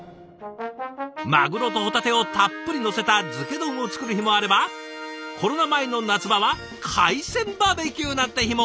マグロとホタテをたっぷりのせた漬け丼を作る日もあればコロナ前の夏場は海鮮バーベキューなんて日も。